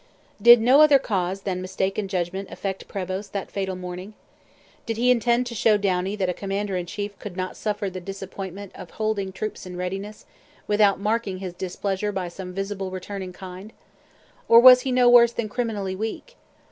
Did no other cause than mistaken judgment affect Prevost that fatal morning? Did he intend to show Downie that a commander in chief could not suffer the 'disappointment' of 'holding troops in readiness' without marking his displeasure by some visible return in kind? Or was he no worse than criminally weak?